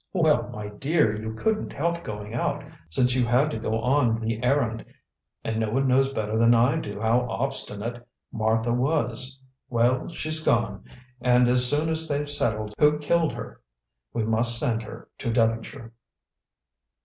"Well, my dear, you couldn't help going out, since you had to go on the errand, and no one knows better than I do how obstinate Martha was. Well, she's gone, and as soon as they've settled who killed her we must send her to Devonshire."